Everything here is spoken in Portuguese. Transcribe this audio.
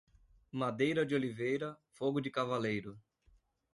Madeira de oliveira, fogo de cavaleiro.